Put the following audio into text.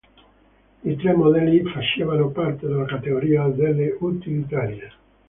I tre modelli facevano parte della categoria delle utilitarie.